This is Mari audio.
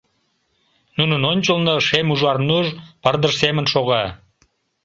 Нунын ончылно шем-ужар нуж пырдыж семын шога.